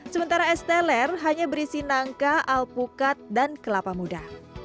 sementara es teler hanya berisi nangka alpukat dan kelapa muda